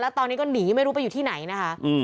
ตอนนี้ก็หนีไม่รู้ไปอยู่ที่ไหนนะคะ